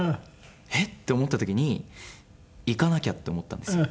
えっ？って思った時に行かなきゃ！って思ったんですよ。